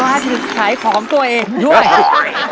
ว่าชิบหลายของตัวเองเออ